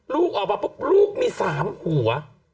ลูกออกมาปุ๊บลูกมี๓หัว